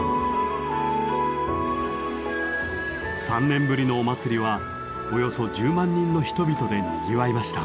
３年ぶりのお祭りはおよそ１０万人の人々でにぎわいました。